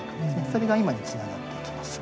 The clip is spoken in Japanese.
それが今につながっていきます。